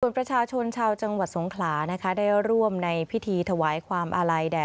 ส่วนประชาชนชาวจังหวัดสงขลานะคะได้ร่วมในพิธีถวายความอาลัยแด่